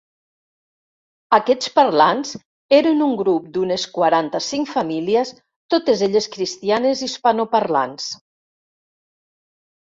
Aquests parlants eren un grup d'unes quaranta-cinc famílies, totes elles cristianes hispanoparlants.